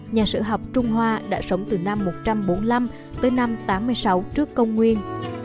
nhà sử học trung hoa đã sống từ năm một trăm bốn mươi năm tới năm tám mươi sáu trước công nguyên